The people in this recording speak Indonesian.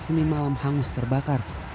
senin malam hangus terbakar